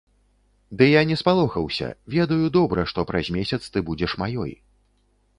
Ды я не спалохаўся, ведаю добра, што праз месяц ты будзеш маёй.